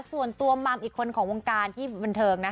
ส่วนตัวมัมอีกคนของวงการที่บันเทิงนะ